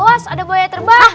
awas ada buaya terbang